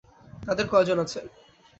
তাদের কয়জন আছে?